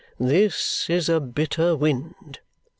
"This is a bitter wind!"